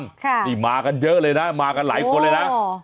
ค่ะนี่มากันเยอะเลยนะมากันหลายคนเลยนะอ๋อ